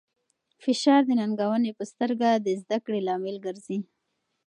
فشار د ننګونې په سترګه د زده کړې لامل ګرځي.